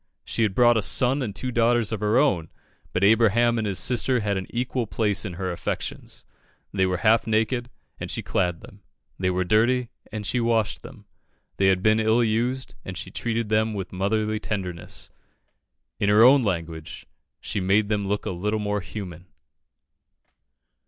She had brought a son and two daughters of her own, but Abraham and his sister had an equal place in her affections. They were half naked, and she clad them; they were dirty, and she washed them; they had been ill used, and she treated them with motherly tenderness. In her own language, she "made them look a little more human."